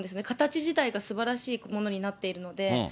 形自体がすばらしいものになっているので。